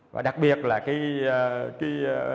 và đặc biệt là cái